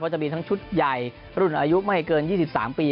จะมีทั้งชุดใหญ่รุ่นอายุไม่เกิน๒๓ปี